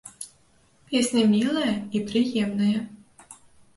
Песня мілая і прыемная.